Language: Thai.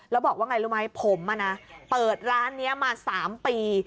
แล้วบอกว่าไงรู้ไหมผมเปิดร้านนี้มา๓ปี